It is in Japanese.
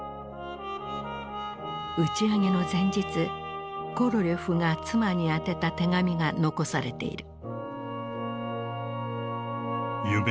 打ち上げの前日コロリョフが妻に宛てた手紙が残されている。